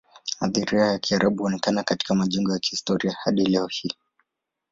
Athira ya Kiarabu huonekana katika majengo ya kihistoria hadi leo hii.